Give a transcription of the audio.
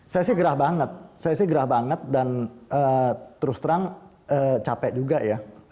saya sih gerah banget saya sih gerah banget dan terus terang capek juga ya